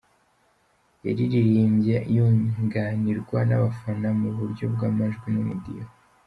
Yayiririmbye yunganirwa n'abafana mu buryo bw'amajwi n'umudiho.